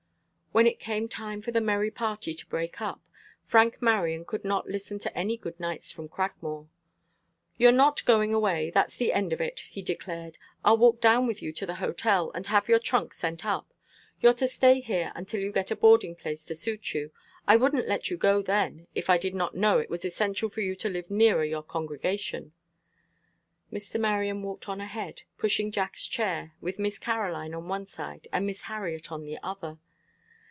When it came time for the merry party to break up, Frank Marion would not listen to any good nights from Cragmore. "You're not going away. That's the end of it," he declared. "I'll walk down with you to the hotel, and have your trunk sent up. You're to stay here until you get a boarding place to suit you. I wouldn't let you go then, if I did not know it was essential for you to live nearer your congregation." Mr. Marion walked on ahead, pushing Jack's chair, with Miss Caroline on one side, and Miss Harriet on the other.